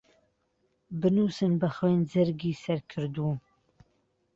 بنووسن بە خوێن جەرگی سەر کردووم